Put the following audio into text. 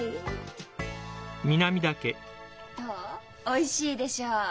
おいしいでしょう？